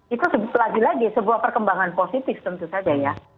itu lagi lagi sebuah perkembangan positif tentu saja ya